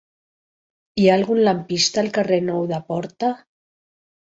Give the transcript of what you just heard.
Hi ha algun lampista al carrer Nou de Porta?